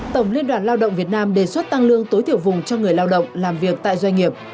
tổng liên đoàn lao động việt nam đề xuất tăng lương tối thiểu vùng cho người lao động làm việc tại doanh nghiệp